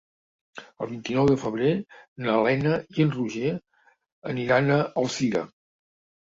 El vint-i-nou de febrer na Lena i en Roger aniran a Alzira.